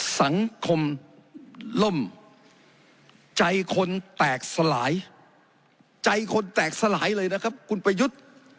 สังคมล่มใจคนแตกสลายใจคนแตกสลายเลยนะครับคุณประยุทธ์